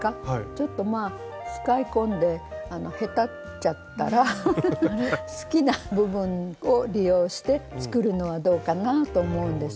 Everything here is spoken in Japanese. ちょっとまあ使い込んでへたっちゃったらフフフ好きな部分を利用して作るのはどうかなと思うんですよね。